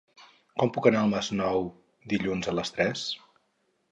Com puc anar al Masnou dilluns a les tres?